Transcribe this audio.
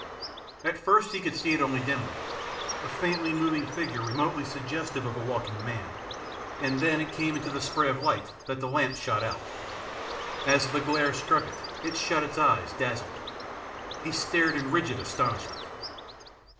At first he could see it only dimly, a faintly moving figure remotely suggestive of a walking man, and then it came into the spray of light that the lamp shot out. As the glare struck it, it shut its eyes, dazzled. He stared in rigid astonishment.